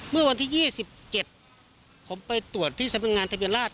เมื่อวันที่๒๗ผมไปตรวจที่สำนักงานทะเบียนราช